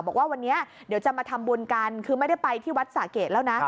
บอกว่าวันนี้เดี๋ยวจะมาทำบุญกันคือไม่ได้ไปที่วัดสะเกดแล้วนะ